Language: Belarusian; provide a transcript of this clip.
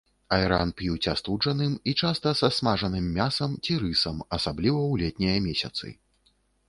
Айран п'юць астуджаным і часта са смажаным мясам ці рысам, асабліва ў летнія месяцы.